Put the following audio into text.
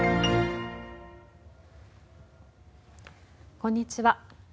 こんにちは。